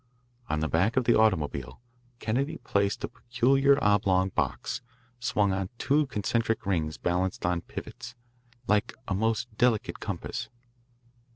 On the back of the automobile Kennedy placed a peculiar oblong box, swung on two concentric rings balanced on pivots, like a most delicate compass.